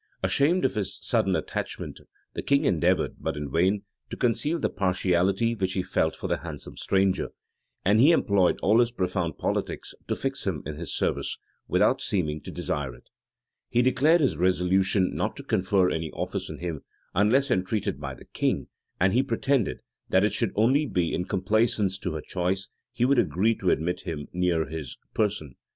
[] Ashamed of his sudden attachment, the king endeavored, but in vain, to conceal the partiality which he felt for the handsome stranger; and he employed all his profound politics to fix him in his service, without seeming to desire it. * King James's Works, p. 532. Preface to Waller's Works. Franklyn, p. 50. Kennet, vol. ii. p. 698. He declared his resolution not to confer any office on him, unless entreated by the queen; and he pretended, that it should only be in complaisance to her choice he would agree to admit him near his person.